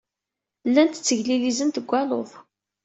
Llant tteglilizent deg waluḍ.